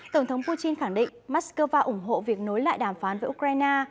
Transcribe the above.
tổng thống putin khẳng định moscow ủng hộ việc nối lại đàm phán với ukraine